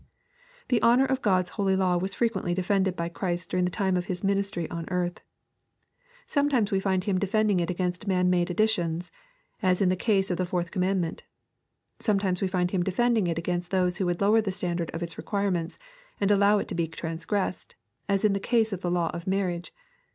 The honor of God's holy law was frequently defended by Christ during the time of His ministry on earth. Sometimes we find Him defending it against man made additions, as in the case of the fourth commandment. Sometimes we find Him defending it against those who would lower the standard of its requirements, and allow it to be transgressed, as in the case of the law of marriage.